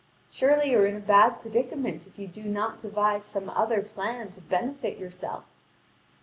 Surely you are in a bad predicament if you do not devise some other plan to benefit yourself."